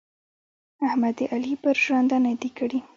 احمد د علي پر ژنده نه دي کړي.